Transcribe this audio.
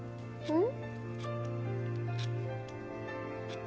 うん。